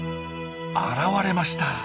現れました。